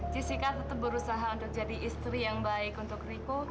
jessica tetap berusaha untuk jadi istri yang baik untuk riko